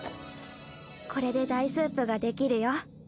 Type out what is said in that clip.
これでダイスープができるよ。